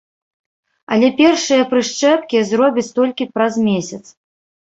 Але першыя прышчэпкі зробяць толькі праз месяц.